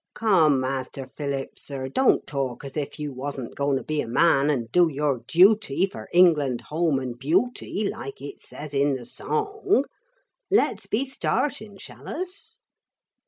Come, Master Philip, sir, don't talk as if you wasn't going to be a man and do your duty for England, Home and Beauty, like it says in the song. Let's be starting, shall us?'